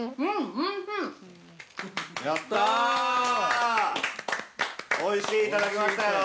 おいしい、いただきましたよ。